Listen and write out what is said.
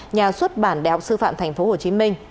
nhà xuất bản đại học sư phạm tp hcm